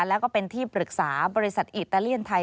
แล้วก็เป็นที่ปรึกษาบริษัทอิตาเลียนไทย